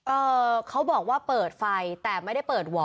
เอ่อเขาบอกว่าเปิดไฟแต่ไม่ได้เปิดหว่อ